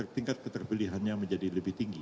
tingkat keterpilihannya menjadi lebih tinggi